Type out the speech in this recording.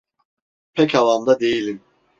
Pek havamda değilim.